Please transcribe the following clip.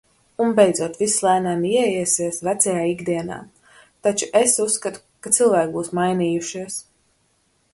Un beidzot viss lēnām ieiesies vecajā ikdienā, taču es uzskatu, ka cilvēki būs mainījušies.